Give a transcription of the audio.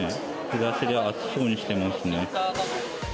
日差しで暑そうにしていますね。